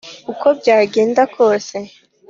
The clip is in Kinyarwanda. uko byagenda kose,